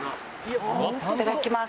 いただきます。